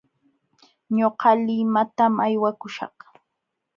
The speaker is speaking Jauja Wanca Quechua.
Ñuqa limatam aywakuśhaq.